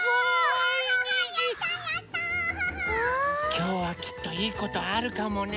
きょうはきっといいことあるかもね。